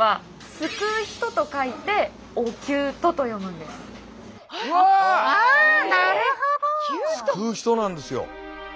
救う人なんですよ。